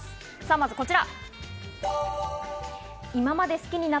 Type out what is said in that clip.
まずこちら。